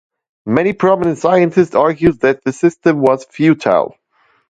Many prominent scientists argued that the system was futile.